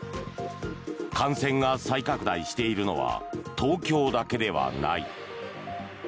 感染が再拡大しているのは東京だけではない。